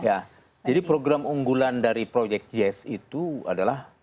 ya jadi program unggulan dari proyek yes itu adalah